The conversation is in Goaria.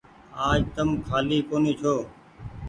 آج تم ڪآلي ڪونيٚ ڇو ۔